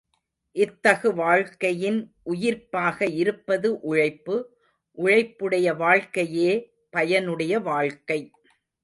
இத்தகு வாழ்க்கையின் உயிர்ப்பாக இருப்பது உழைப்பு, உழைப்புடைய வாழ்க்கையே பயனுடைய வாழ்க்கை.